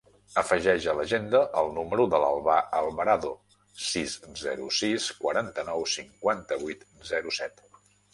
Afegeix a l'agenda el número de l'Albà Alvarado: sis, zero, sis, quaranta-nou, cinquanta-vuit, zero, set.